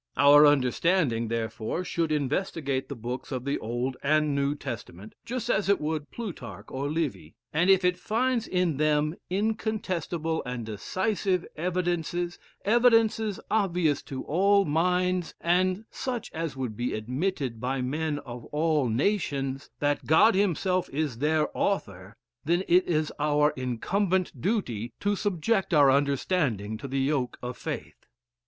Our understanding, therefore, should investigate the books of the Old and New Testament, just as it would Plutarch or Livy; and if it finds in them incontestable and decisive evidences evidences obvious to all minds, and such as would be admitted by men of all nations that God himself is their author, then it is our incumbent duty to subject our understanding to the yoke of faith.